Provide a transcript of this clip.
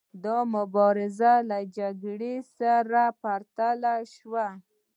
دا مبارزه له جګړې سره پرتله شوه.